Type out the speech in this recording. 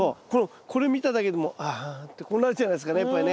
これ見ただけでも「ああ」ってこうなっちゃいますからねやっぱりね。